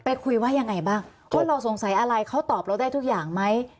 คุยว่ายังไงบ้างว่าเราสงสัยอะไรเขาตอบเราได้ทุกอย่างไหม